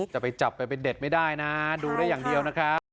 แต่ไปจับไปเป็นเด็ดไม่ได้นะดูได้อย่างเดียวนะครับ